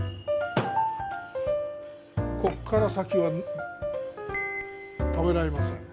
ここから先は食べられません。